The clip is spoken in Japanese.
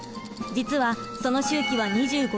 実はその周期は２５時間。